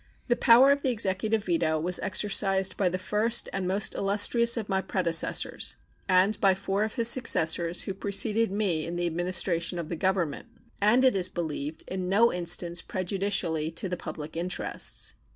The power of the Executive veto was exercised by the first and most illustrious of my predecessors and by four of his successors who preceded me in the administration of the Government, and it is believed in no instance prejudicially to the public interests.